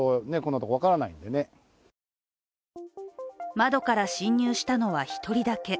窓から侵入したのは１人だけ。